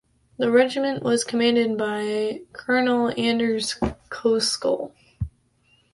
The regiment was commanded by Colonel Anders Koskull.